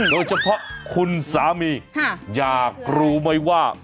โดยเฉพาะคุณสามีอยากรู้ไหมว่า